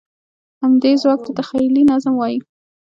همدې ځواک ته تخیلي نظم وایي.